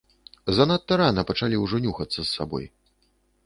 Занадта рана пачалі ўжо нюхацца з сабой.